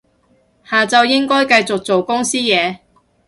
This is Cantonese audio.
下晝應該繼續做公司嘢